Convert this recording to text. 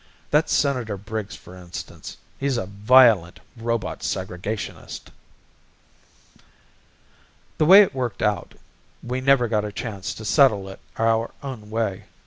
That Senator Briggs for instance he's a violent robot segregationist." The way it worked out, we never got a chance to settle it our own way.